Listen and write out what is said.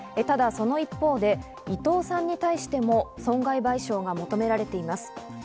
ただ、その一方で伊藤さんに対しても損害賠償が求められています。